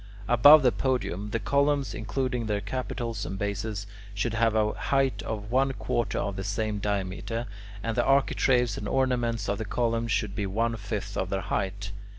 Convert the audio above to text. Above the podium, the columns, including their capitals and bases, should have a height of one quarter of the same diameter, and the architraves and ornaments of the columns should be one fifth of their height.